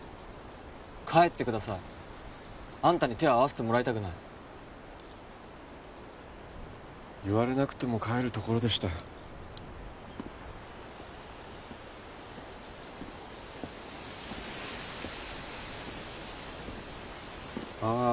帰ってくださいあんたに手を合わせてもらいたくない言われなくても帰るところでしたああ